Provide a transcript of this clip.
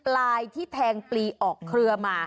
ลายที่แทงปลีออกเครือมา